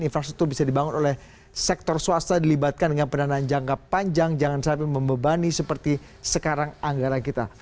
infrastruktur bisa dibangun oleh sektor swasta dilibatkan dengan pendanaan jangka panjang jangan sampai membebani seperti sekarang anggaran kita